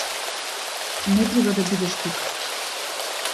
Не треба да бидеш тука.